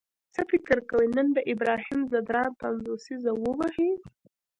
څه فکر کوئ نن به ابراهیم ځدراڼ پنځوسیزه ووهي؟